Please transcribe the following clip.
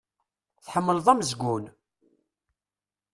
Tḥemmleḍ amezgun?